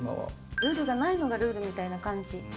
ルールがないのがルールみたいな感じ。